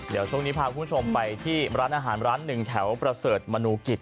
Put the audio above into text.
เดี๋ยวช่วงนี้พาคุณผู้ชมไปที่ร้านอาหารร้านหนึ่งแถวประเสริฐมนูกิจ